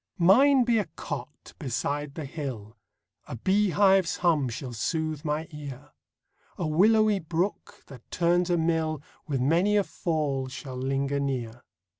Mine be a cot beside the hill; A bee hive's hum shall sooth my ear; A willowy brook that turns a mill, With many a fall shall linger near.